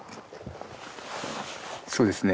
そうですね。